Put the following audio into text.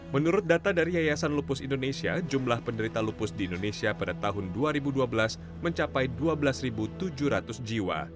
menurut data dari yayasan lupus indonesia jumlah penderita lupus di indonesia pada tahun dua ribu dua belas mencapai dua belas tujuh ratus jiwa